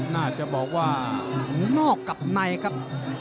น่าจะบอกว่าหูนอกกับในครับ